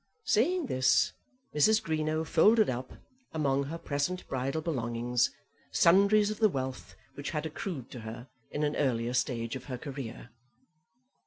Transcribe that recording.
Saying this, Mrs. Greenow folded up, among her present bridal belongings, sundries of the wealth which had accrued to her in an earlier stage of her career.